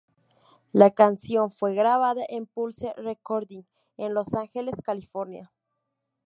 La canción fue grabada en "Pulse Recording" en Los Ángeles, California.